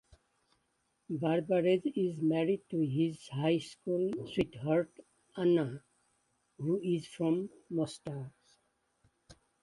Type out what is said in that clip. Barbarez is married to his high-school sweetheart Ana, who is from Mostar.